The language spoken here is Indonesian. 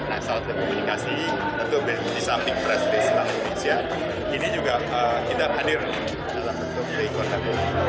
nah saat dikomunikasi atau disamping presiden bank indonesia ini juga kita hadir dalam bentuk keikonan